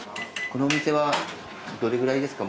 このお店はどれぐらいですか？